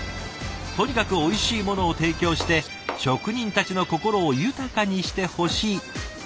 とにかくおいしいものを提供して職人たちの心を豊かにしてほしいとのこと。